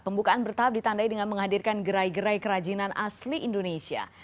pembukaan bertahap ditandai dengan menghadirkan gerai gerai kerajinan asli indonesia